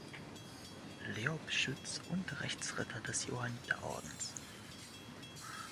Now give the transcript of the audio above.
Leobschütz, und Rechtsritter des Johanniterordens.